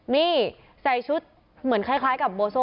นี่ใส่ชุดเหมือนคล้ายกับโบโซ่